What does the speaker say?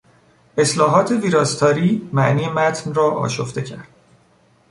اصلاحات ویراستاری معنی متن را آشفته کرد.